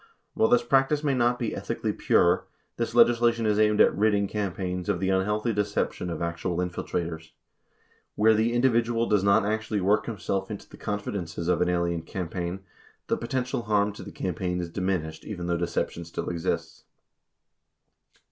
While this practice may not be ethically pure, this legislation is aimed at ridding campaigns of the unhealthy deception of actual infiltrators. Where the individual does not actually work himself into the confidences of an alien campaign, the potential harm to the campaign is diminished even though deception still exists.